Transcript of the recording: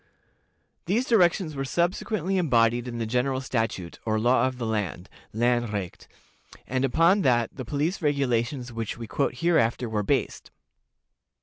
These directions were subsequently embodied in the general statute, or law of the land (landrecht), and upon that the police regulations which we quote hereafter were based.